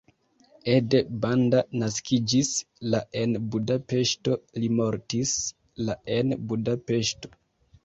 Ede Banda naskiĝis la en Budapeŝto, li mortis la en Budapeŝto.